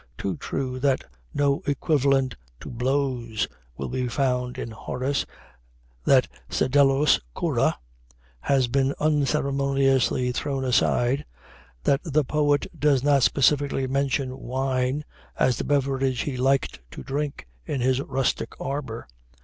too true that no equivalent to "blows" will be found in Horace, that "Sedulus curo" has been unceremoniously thrown aside, that the poet does not specifically mention "wine" as the beverage he liked to drink in his rustic arbor.